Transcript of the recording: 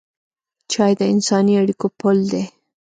چای د انساني اړیکو پل دی.